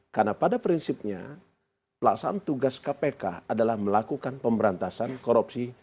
karena pada prinsipnya pelaksanaan tugas kpk adalah melakukan pemberantasan korupsi